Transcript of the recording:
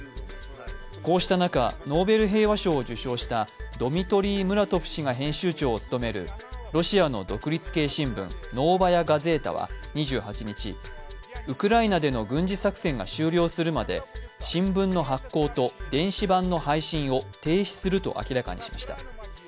こうした中、ノーベル平和賞を受賞したドミトリー・ムラトフ氏が編集長を務めるロシアの独立系新聞「ノーバヤ・ガゼータ」は２８日ウクライナでの軍事作戦が終了するまで新聞の発行と電子版の配信を停止すると明らかにしました。